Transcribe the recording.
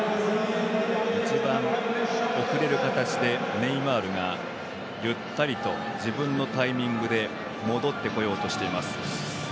一番遅れる形でネイマールが、ゆったりと自分のタイミングで戻ってこようとしています。